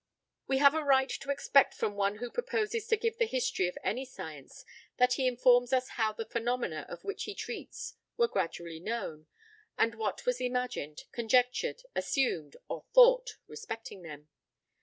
We have a right to expect from one who proposes to give the history of any science, that he inform us how the phenomena of which it treats were gradually known, and what was imagined, conjectured, assumed, or thought respecting them.